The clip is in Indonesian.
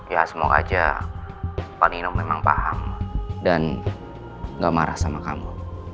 ya semoga aja pak nino memang paham dan gak marah sama kamu